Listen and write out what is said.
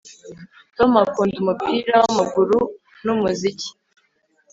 Tom akunda umupira wamaguru numuziki